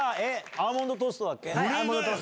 アーモンドトーストだっけ？